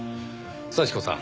幸子さん